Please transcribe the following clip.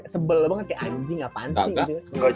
sebel banget kayak anjing apaan sih